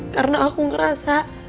karena aku ngerasa